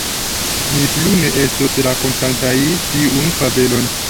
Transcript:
Ni plu ne estos rakontantaj tiun fabelon.